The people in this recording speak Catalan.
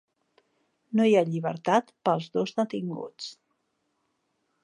No hi ha llibertat pels dos detinguts